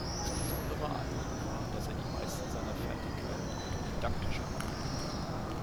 Das Besondere an ihm war, dass er die meisten seiner Fertigkeiten autodidaktisch erwarb.